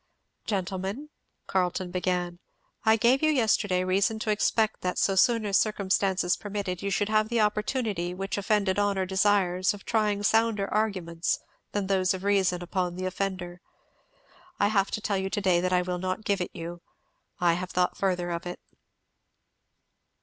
"Gentlemen," Carleton began, "I gave you yesterday reason to expect that so soon as circumstances permitted, you should have the opportunity which offended honour desires of trying sounder arguments than those of reason upon the offender. I have to tell you to day that I will not give it you. I have thought further of it."